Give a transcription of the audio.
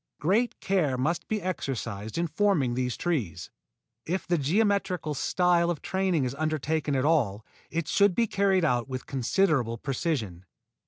Great care must be exercised in forming these trees. If the geometrical style of training is undertaken at all, it should be carried out with considerable precision.